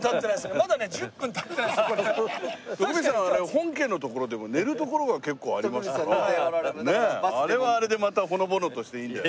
本家のところでも寝るところが結構ありますからあれはあれでまたほのぼのとしていいんだよね。